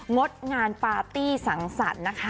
งดงานปาร์ตี้สังสรรค์นะคะ